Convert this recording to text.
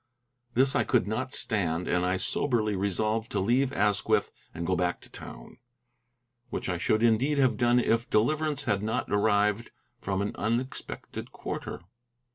This I could not stand, and I soberly resolved to leave Asquith and go back to town, which I should indeed have done if deliverance had not arrived from an unexpected quarter.